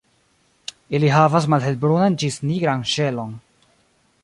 Ili havas malhelbrunan ĝis nigran ŝelon.